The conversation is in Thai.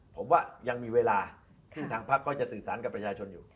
ผมว่ายังมีเวลาที่ทางพักก็จะสื่อสารกับประชาชนอยู่